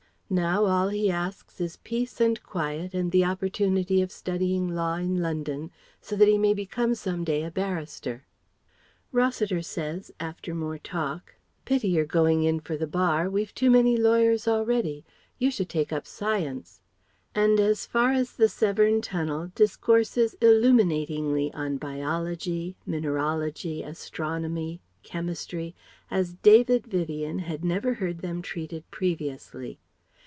Now all he asks is peace and quiet and the opportunity of studying law in London so that he may become some day a barrister. Rossiter says after more talk, "Pity you're going in for the Bar we've too many lawyers already. You should take up Science" and as far as the Severn Tunnel discourses illuminatingly on biology, mineralogy, astronomy, chemistry as David Vivien had never heard them treated previously.